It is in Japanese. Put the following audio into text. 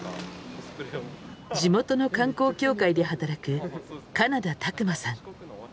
地元の観光協会で働く金田拓真さん